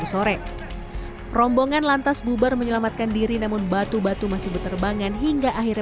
sore rombongan lantas bubar menyelamatkan diri namun batu batu masih berterbangan hingga akhirnya